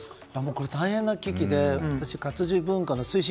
これは大変な危機で私、活字文化の推進